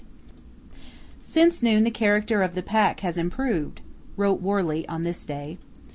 "Since noon the character of the pack has improved," wrote Worsley on this day.